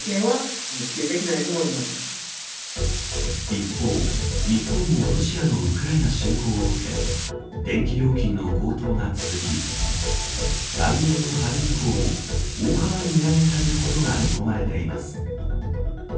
一方、日本もロシアのウクライナ侵攻を受け電気料金の高騰が続き来年の春以降も大幅に値上げされることが見込まれています。